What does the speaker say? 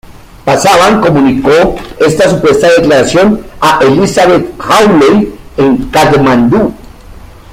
Pasaban comunicó esta supuesta declaración a Elizabeth Hawley en Katmandú.